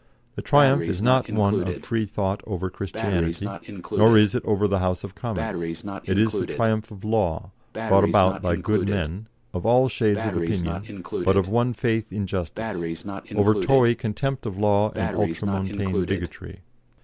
The triumph is not one of Freethought over Christianity, nor is it over the House of Commons; it is the triumph of law, brought about by good men of all shades of opinion, but of one faith in justice over Tory contempt of law and Ultramontane bigotry.